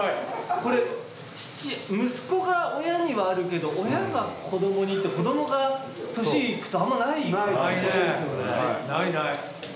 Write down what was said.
これ父「息子が親に」はあるけど「親が子どもに」って子どもが年いくとあんまないですよね。